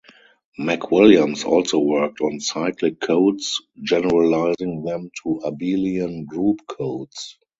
MacWilliams also worked on cyclic codes, generalizing them to abelian group codes.